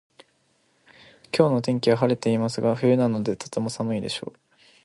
今日の天気は晴れてますが冬なのでとても寒いでしょう